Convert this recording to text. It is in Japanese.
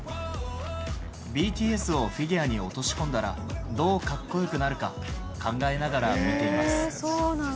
ＢＴＳをフィギュアに落とし込んだら、どうかっこよくなるか考えながら見ています。